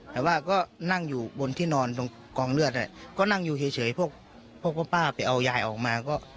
แต่ว่าก็นั่งอยู่บนที่นอนตรงกองเลือดก็นั่งอยู่เฉยพวกคุณป้าไปเอายายออกมาก็